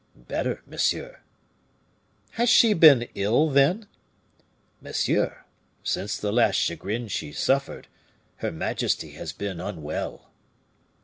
"Better, monsieur." "Has she been ill, then?" "Monsieur, since the last chagrin she suffered, her majesty has been unwell."